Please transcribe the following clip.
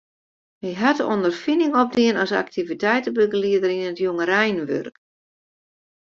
Hy hat ûnderfining opdien as aktiviteitebegelieder yn it jongereinwurk.